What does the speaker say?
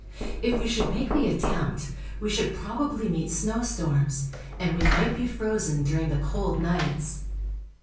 If we should make the attempt, we should probably meet snowstorms, and we might be frozen during the cold nights.